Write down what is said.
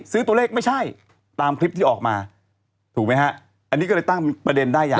ซื้อตัวเลขไม่ใช่ตามคลิปที่ออกมาถูกไหมฮะอันนี้ก็เลยตั้งประเด็นได้อย่าง